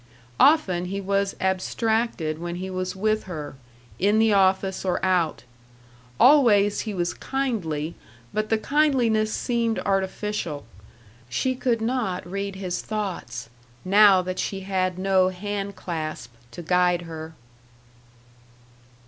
Often he was abstracted when he was with her, in the office or out. Always he was kindly, but the kindliness seemed artificial. She could not read his thoughts, now that she had no hand clasp to guide her.